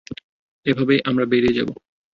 এভাবেই আমরা বেরিয়ে যাবো।